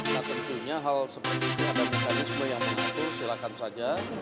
nah tentunya hal seperti itu ada mekanisme yang mengatur silakan saja